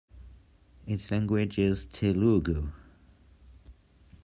Its language is Telugu.